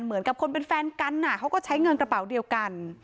เหมือนกับคนเป็นแฟนกันเขาก็ใช้เงินกระเป๋าเดียวกัน